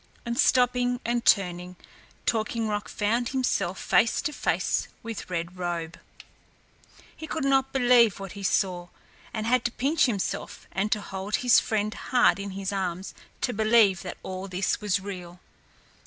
and stopping and turning, Talking Rock found himself face to face with Red Robe. He could not believe what he saw, and had to pinch himself and to hold his friend hard in his arms to believe that all this was real.